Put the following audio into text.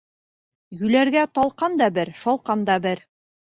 Йүләргә талҡан да бер, шалҡан да бер.